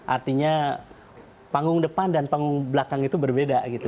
artinya panggung depan dan panggung belakang itu berbeda gitu